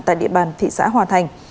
tại địa bàn thị xã hòa thành